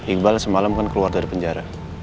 iqbal semalam kan keluar dari penjara